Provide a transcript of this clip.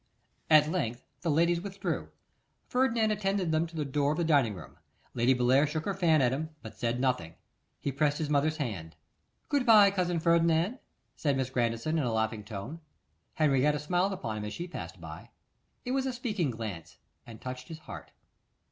At length the ladies withdrew. Ferdinand attended them to the door of the dining room. Lady Bellair shook her fan at him, but said nothing. He pressed his mother's hand. 'Good bye, cousin Ferdinand,' said Miss Grandison in a laughing tone. Henrietta smiled upon him as she passed by. It was a speaking glance, and touched his heart.